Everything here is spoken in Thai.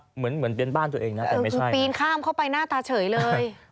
เหมือนเหมือนเป็นบ้านตัวเองนะแต่ไม่ใช่ปีนข้ามเข้าไปหน้าตาเฉยเลย